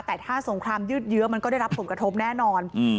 แต่ถ้าสงครามยืดเยอะมันก็ได้รับผลกระทบแน่นอน